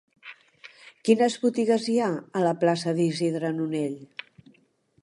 Quines botigues hi ha a la plaça d'Isidre Nonell?